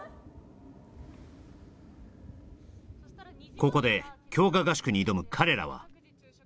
ここで強化合宿に挑む彼らはフレー！